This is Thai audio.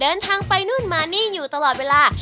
เดินทางไปนู่นมานี่อยู่ตลอดเวลา